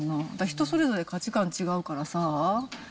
人それぞれ価値観違うからさ。